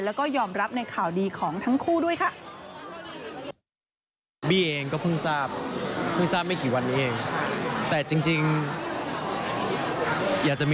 แล้วก็ยอมรับในข่าวดีของทั้งคู่ด้วยค่ะ